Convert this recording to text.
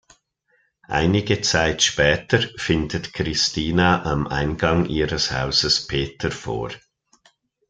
Einige Zeit später findet Christina am Eingang ihres Hauses Peter vor.